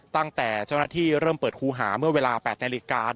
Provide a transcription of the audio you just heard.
ตั้งแต่เจ้าหน้าที่เริ่มเปิดครูหาเมื่อเวลา๘นาฬิกา